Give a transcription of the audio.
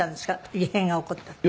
異変が起こったって。